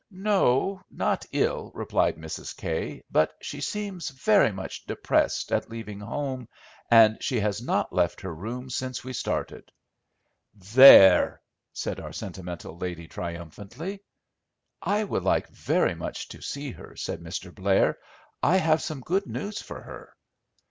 "No, not ill," replied Mrs. Kay; "but she seems very much depressed at leaving home, and she has not left her room since we started." "There!" said our sentimental lady, triumphantly. "I would like very much to see her," said Mr. Blair; "I have some good news for her."